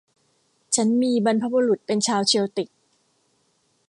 ฉันมีบรรพบุรุษเป็นชาวเชลติก